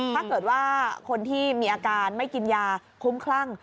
ถ้าเกิดว่าคนที่มีอาการไม่กินยาคุ้มคลั่ง